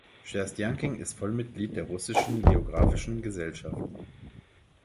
Scherstjankin ist Vollmitglied der Russischen Geographischen Gesellschaft.